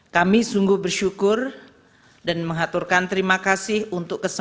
kami sungguh bersyukur dan mengaturkan terima kasih untuk kesempatan